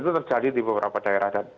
itu terjadi di beberapa daerah dan